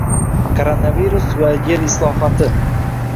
Koronavirus va yer islohoti